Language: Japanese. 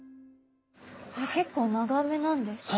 結構長めなんですね。